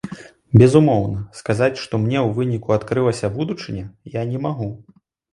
Безумоўна, сказаць, што мне ў выніку адкрылася будучыня, я не магу.